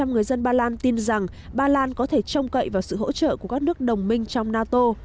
một mươi người dân ba lan tin rằng ba lan có thể trông cậy vào sự hỗ trợ của các nước đồng minh trong nato